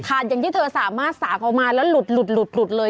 อย่างที่เธอสามารถสากเอามาแล้วหลุดเลย